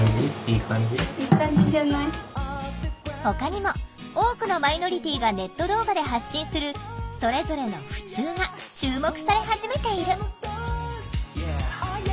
ほかにも多くのマイノリティーがネット動画で発信するそれぞれの「ふつう」が注目され始めている。